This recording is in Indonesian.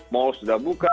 mall sudah buka